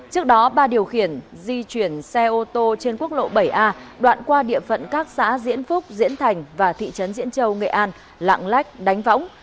trước đó ba điều khiển di chuyển xe ô tô trên quốc lộ bảy a đoạn qua địa phận các xã diễn phúc diễn thành và thị trấn diễn châu nghệ an lạng lách đánh võng